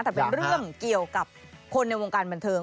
แต่เป็นเรื่องเกี่ยวกับคนในวงการบันเทิง